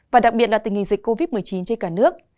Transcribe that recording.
và đặc biệt là tình hình dịch covid một mươi chín trên cả nước